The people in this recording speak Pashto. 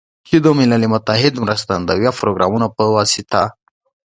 چې د ملل متحد مرستندویه پروګرامونو په واسطه